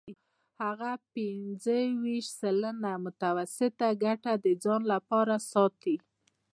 هغه پنځه ویشت سلنه متوسطه ګټه د ځان لپاره ساتي